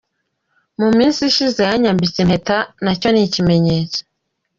Mu minsi ishize yanyambitse impeta nacyo ni ikimenyetso.